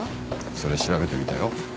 それ調べてみたよ。